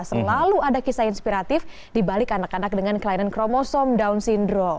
selalu ada kisah inspiratif dibalik anak anak dengan kelainan kromosom down syndrome